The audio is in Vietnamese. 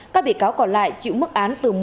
các bị cáo còn lại chịu mức án từ